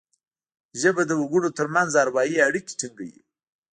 ژبه د وګړو ترمنځ اروايي اړیکي ټینګوي